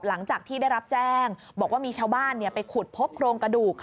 หลังจากที่ได้รับแจ้งบอกว่ามีชาวบ้านไปขุดพบโครงกระดูก